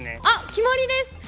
あっ決まりです。